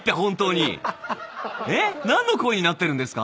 何の声になってるんですか？